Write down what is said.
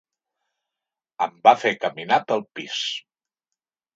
Em va fer caminar pel pis.